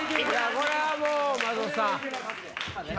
これはもう松本さん。